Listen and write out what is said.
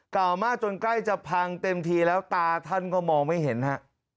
เก่ามากจนใกล้จะพังเต็มทีแล้วตาท่านก็มองไม่เห็นฮะ